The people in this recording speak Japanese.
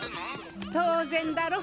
当然だろ？